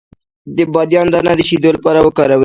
د بادیان دانه د شیدو لپاره وکاروئ